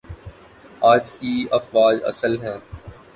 آج کی افواج اصل میں